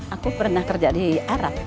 aku pernah kerja di arab